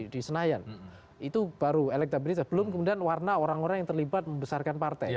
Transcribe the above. di senayan itu baru elektabilitas belum kemudian warna orang orang yang terlibat membesarkan partai